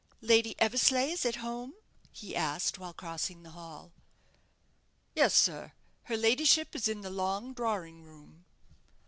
"Lady Eversleigh is at home?" he asked, while crossing the hall. "Yes, sir; her ladyship is in the long drawing room."